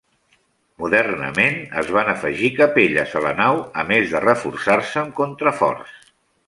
Modernament, es van afegir capelles a la nau, a més de reforçar-se amb contraforts.